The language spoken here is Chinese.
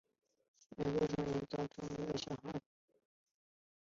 全部成员都成为了小孩。